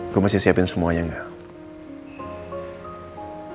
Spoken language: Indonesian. gue masih siapin semuanya gak